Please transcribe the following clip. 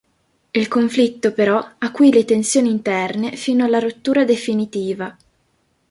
Il conflitto però, acuì le tensioni interne fino alla rottura definitiva.